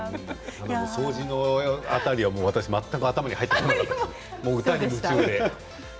掃除の辺り私全く入ってこなかった歌に夢中で。